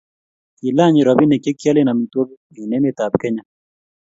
kilany robinik che kiolen amitwogik eng' emetab Kenya